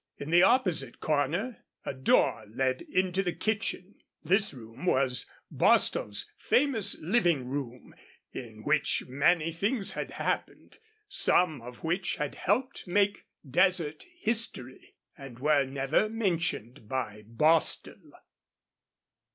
In the opposite corner a door led into the kitchen. This room was Bostil's famous living room, in which many things had happened, some of which had helped make desert history and were never mentioned by Bostil.